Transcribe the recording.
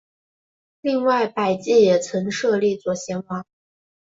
另外百济也曾设立左贤王。